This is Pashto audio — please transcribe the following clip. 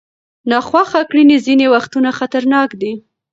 ناخوښه کړنې ځینې وختونه خطرناک دي.